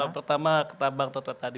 pertama ketambang toto tadi